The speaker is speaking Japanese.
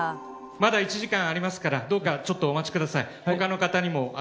まだ１時間ありますから、どうかちょっとお待ちください。